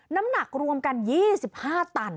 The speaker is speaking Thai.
น้ำหนักรวมกัน๒๕ตัน